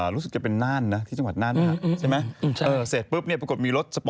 รู้สึกจะเป็นน่านนะที่จังหวัดน่านนะครับ